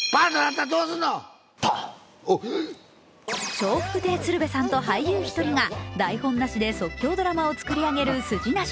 笑福亭鶴瓶さんと俳優１人が台本なしで即興ドラマを作り上げる「スジナシ」。